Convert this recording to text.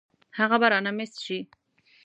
هغه به رانه مېس شي.